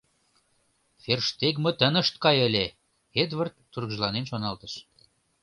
“Ферштегмыт ынышт кай ыле!” — Эдвард тургыжланен шоналтыш.